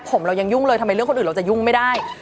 ผมเรายังยุ่งเลยทำไมเรื่องคนอื่นเราจะยุ่งไม่ได้